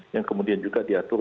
yang kemudian juga diatur